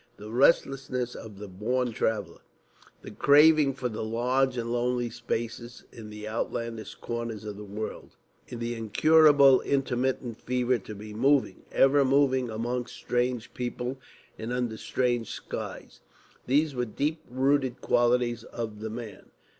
The restlessness of the born traveller, the craving for the large and lonely spaces in the outlandish corners of the world, the incurable intermittent fever to be moving, ever moving amongst strange peoples and under strange skies these were deep rooted qualities of the man.